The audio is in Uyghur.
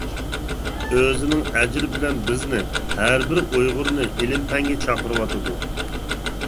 ئۆزىنىڭ ئەجرى بىلەن بىزنى، ھەر بىر ئۇيغۇرنى ئىلىم-پەنگە چاقىرىۋاتىدۇ.